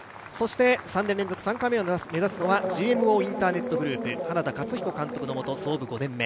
３年連続３回目を目指すのはＧＭＯインターネットグループ花田勝彦監督のもと、創部５年目。